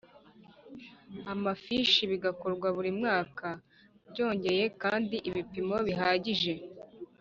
amafishi bigakorwa buri mwaka Byongeye kandi ibipimo bihagije